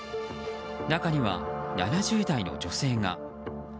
中には７０代の女性が。